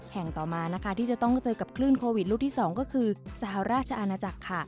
แห่งต่อมานะคะที่จะต้องเจอกับคลื่นโควิดลูกที่๒ก็คือสหราชอาณาจักรค่ะ